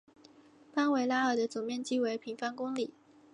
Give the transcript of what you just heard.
邦维拉尔的总面积为平方公里。